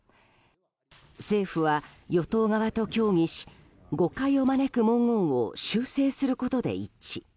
政府は与党側と協議し誤解を招く文言を修正することで一致。